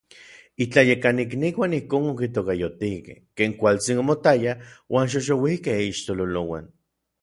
Itlayekanikniuan ijkon okitokayotikej ken kualtsin omotaya uan xoxouikej iixtololouan.